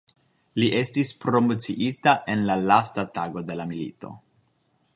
Li estis promociita en la lasta tago de la milito.